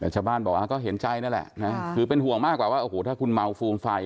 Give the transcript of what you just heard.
แต่ชาวบ้านบอกก็เห็นใจนั่นแหละคือเป็นห่วงมากกว่าว่าโอ้โหถ้าคุณเมาฟูมไฟ